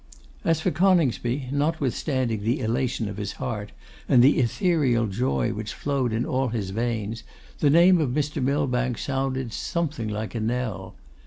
As for Coningsby, notwithstanding the elation of his heart, and the ethereal joy which flowed in all his veins, the name of Mr. Millbank sounded, something like a knell.